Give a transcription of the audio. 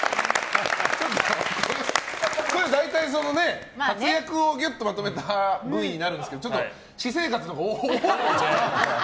大体、活躍をぎゅっとまとめたＶＴＲになるんですが私生活のほうが多いですね。